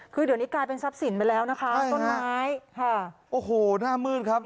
คือเดี๋ยวนี้กลายเป็นทรัพย์สินไปแล้วนะคะต้นไม้ค่ะโอ้โหหน้ามืดครับ